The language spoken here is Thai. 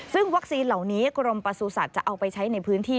ซึ่งวัคซีนเหล่านี้กรมประสุทธิ์จะเอาไปใช้ในพื้นที่